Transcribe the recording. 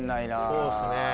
そうですね。